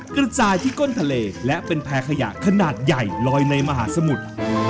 กระจายที่ก้นทะเลและเป็นแพร่ขยะขนาดใหญ่ลอยในมหาสมุทร